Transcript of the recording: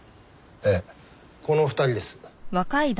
ええこの２人です。